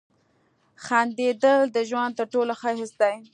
• خندېدل د ژوند تر ټولو ښه حس دی.